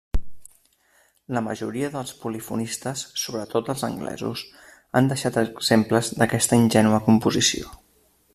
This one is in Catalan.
La majoria dels polifonistes, sobretot els anglesos, han deixat exemples d'aquesta ingènua composició.